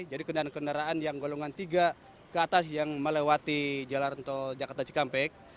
jadi kendaraan kendaraan yang golongan tiga ke atas yang melewati jalan tol jakarta cikampek